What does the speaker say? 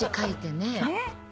ねっ。